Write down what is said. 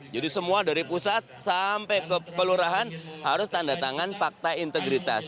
jadi semua dari pusat sampai ke pelurahan harus tanda tangan fakta integritas